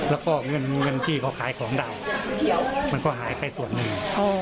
แล้วก็เงินที่เขาขายของเรามันก็หายไปส่วนหนึ่ง